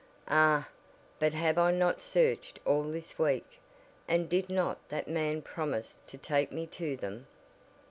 "Ah, but have I not searched all this week? And did not that man promise to take me to them?"